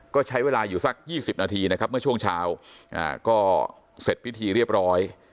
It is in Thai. ก็ใช้เวลาอยู่สัก๒๐นาทีนะครับเมื่อช่วงเช้าก็เสร็จพิธีเรียบร้อย